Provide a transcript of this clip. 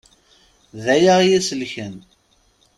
D aya i yi-selken.